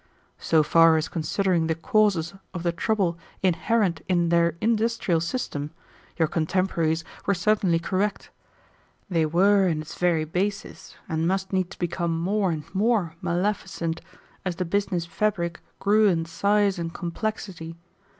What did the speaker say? "So far as considering the causes of the trouble inherent in their industrial system, your contemporaries were certainly correct. They were in its very basis, and must needs become more and more maleficent as the business fabric grew in size and complexity.